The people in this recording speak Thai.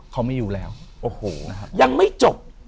เขามันไม่อยู่แล้วโอโหยังไม่จบ